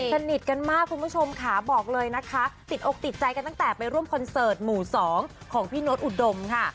สนิทกันมากคุณผู้ชมค่ะบอกเลยนะคะติดอกติดใจกันตั้งแต่ไปร่วมคอนเสิร์ตหมู่๒ของพี่โน๊ตอุดมค่ะ